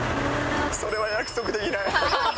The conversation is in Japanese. それは約束できない。